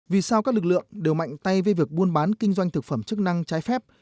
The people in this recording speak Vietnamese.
vì sao các lực lượng đều mạnh tay với việc buôn bán kinh doanh thực phẩm chức năng trái phép